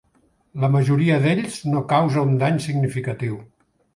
La majoria d'ells no causa un dany significatiu.